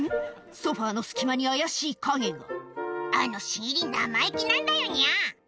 ソファの隙間に怪しい影が「あの新入り生意気なんだよニャ」